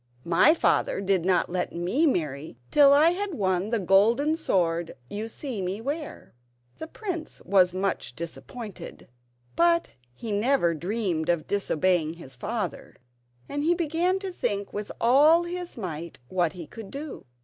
My father did not let me marry till I had won the golden sword you see me wear." The prince was much disappointed, but he never dreamed of disobeying his father, and he began to think with all his might what he could do.